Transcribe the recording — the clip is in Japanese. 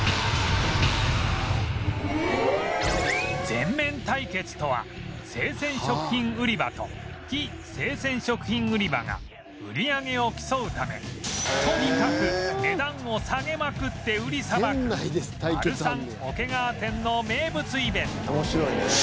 全面対決とは生鮮食品売り場と非生鮮食品売り場が売り上げを競うためとにかく値段を下げまくって売りさばくマルサン桶川店の名物イベント